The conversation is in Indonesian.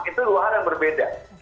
itu luar dan berbeda